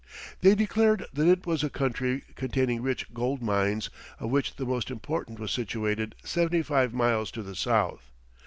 They declared that it was a country containing rich gold mines, of which the most important was situated seventy five miles to the south.